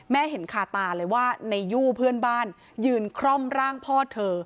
เห็นคาตาเลยว่าในยู่เพื่อนบ้านยืนคร่อมร่างพ่อเธอ